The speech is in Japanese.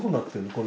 これ。